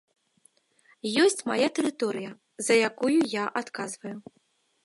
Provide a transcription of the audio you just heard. Ёсць мая тэрыторыя, за якую я адказваю.